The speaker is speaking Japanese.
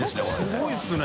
すごいですね。